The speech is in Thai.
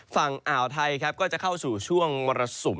ฝั่งอ่าวไทยจะเข้าสู่ช่วงบรสุม